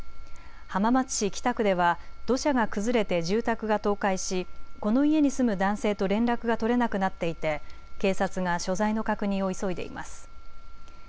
浜松市北区では土砂が崩れて住宅が倒壊し、この家に住む男性と連絡が取れなくなっていて警察が所在の確認を急いでいます。